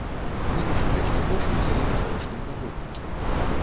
Вырашылі, што грошы ўзялі ўчорашнія работнікі.